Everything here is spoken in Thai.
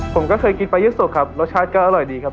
ผมก็เคยกินปลายี่สุกครับรสชาติก็อร่อยดีครับ